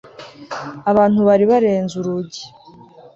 Abantu bari barenze urugi